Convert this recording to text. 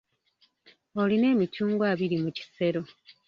Olina emicungwa abiri mu kisero.